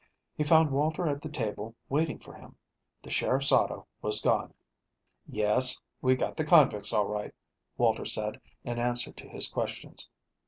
He found Walter at the table waiting for him. The sheriff's auto was gone. "Yes, we got the convicts, all right," Walter said, in answer to his questions.